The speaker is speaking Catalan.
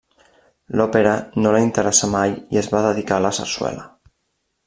L'òpera no la interessà mai i es va dedicar a la sarsuela.